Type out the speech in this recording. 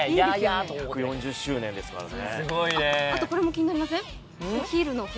１４０周年ですからね。